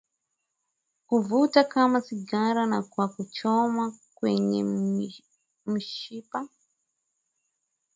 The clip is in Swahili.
kuvuta kama sigara na kwa kuchoma kwenye mshipa